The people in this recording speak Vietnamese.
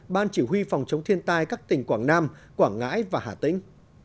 ban chỉ huy phòng chống thiên tai các tỉnh quảng nam quảng ngãi và hà tĩnh